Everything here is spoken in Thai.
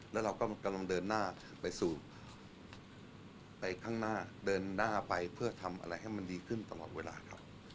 แล้วเราก็กำลังเดินหน้าไปสู่ไปข้างหน้าเดินหน้าไปเพื่อทำอะไรให้มันดีขึ้นตลอดเวลาครับ